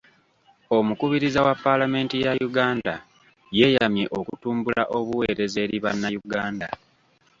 Omukubiriza wa paalamenti ya Uganda yeeyamye okutumbula obuweereza eri bannayuganda.